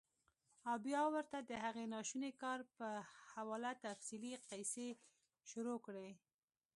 او بيا ورته د هغې ناشوني کار پۀ حواله تفصيلي قيصې شورو کړي -